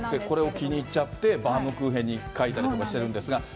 これを気に入っちゃって、バームクーヘンに描いたりとかしてるんですが。